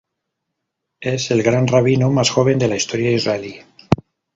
Es el Gran Rabino más joven de la historia israelí.